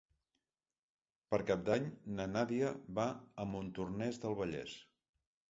Per Cap d'Any na Nàdia va a Montornès del Vallès.